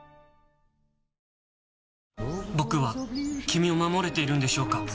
僕は君を守れているんでしょうか？